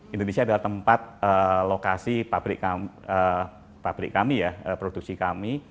indonesia adalah tempat lokasi pabrik kami ya produksi kami